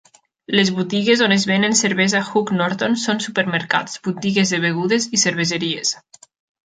Les botigues on es venen cervesa Hook Norton són supermercats, botigues de begudes i cerveseries.